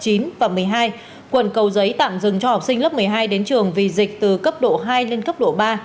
trong khi đó thì học sinh lớp chín và một mươi hai quận cầu giấy tạm dừng cho học sinh lớp một mươi hai đến trường vì dịch từ cấp độ hai lên cấp độ ba